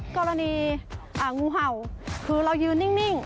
กรณีงูเห่าคือเรายืนนิ่ง